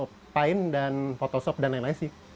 kalau paint dan photoshop dan lain lain sih